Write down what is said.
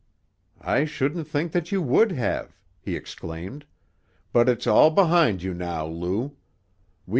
"I shouldn't think you would have," he exclaimed. "But it's all behind you now, Lou.